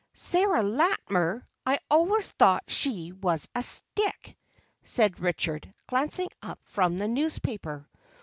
"Sarah Latimer! I always thought she was a stick," said Richard, glancing up from the newspaper.